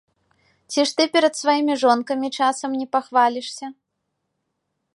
Ці ж ты перад сваімі жонкамі часам не пахвалішся?